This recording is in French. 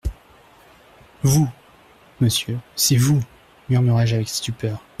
Vous ! monsieur, c'est vous, murmurai-je avec stupeur.